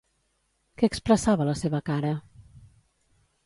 Què expressava la seva cara?